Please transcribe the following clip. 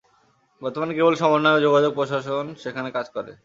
বর্তমানে কেবল সমন্বয় ও যোগাযোগ প্রশাসন সেখানে কাজ করে।